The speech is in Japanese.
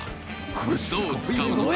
どう使うのか？